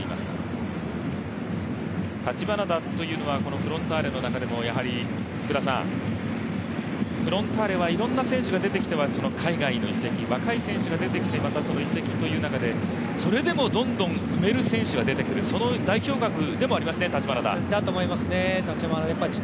橘田というのはフロンターレの中でも、フロンターレはいろいろな選手が出てきては海外に移籍、若い選手が出てきて、また移籍という中でそれでもどんどん埋める選手が出てくる、その代表格でもありますね、橘田。